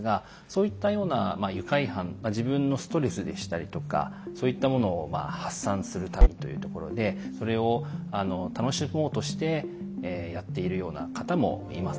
そういったようなまあ愉快犯自分のストレスでしたりとかそういったものをまあ発散するためにというところでそれをあの楽しもうとしてやっているような方もいます。